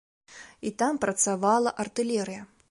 І там працавала артылерыя.